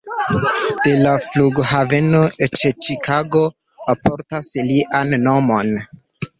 De la flughaveno ĉe Ĉikago portas lian nomon.